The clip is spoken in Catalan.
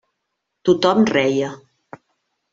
Tothom reia.